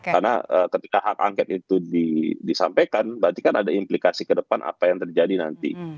karena ketika hak angket itu disampaikan berarti kan ada implikasi ke depan apa yang terjadi nanti